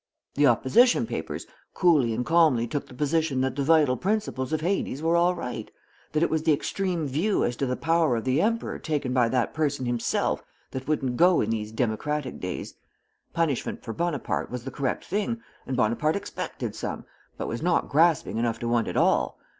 The opposition papers coolly and calmly took the position that the vital principles of Hades were all right; that it was the extreme view as to the power of the Emperor taken by that person himself that wouldn't go in these democratic days. Punishment for Bonaparte was the correct thing, and Bonaparte expected some, but was not grasping enough to want it all.